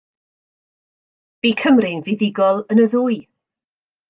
Bu Cymru'n fuddugol yn y ddwy.